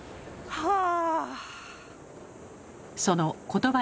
はあ。